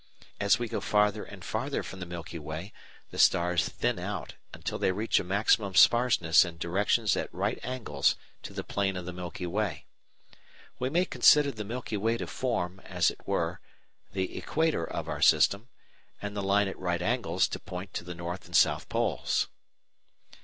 As we go farther and farther from the Milky Way the stars thin out until they reach a maximum sparseness in directions at right angles to the plane of the Milky Way. We may consider the Milky Way to form, as it were, the equator of our system, and the line at right angles to point to the north and south poles.